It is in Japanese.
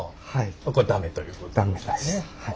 これ駄目ということですね。